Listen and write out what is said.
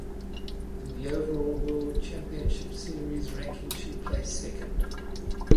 In the overall World Championship Series ranking she place second.